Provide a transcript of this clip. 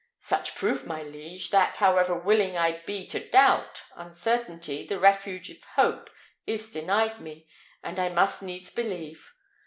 "Such proof, my liege, that, however willing I be to doubt, uncertainty, the refuge of hope, is denied me, and I must needs believe.